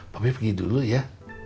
papi pergi dulu ya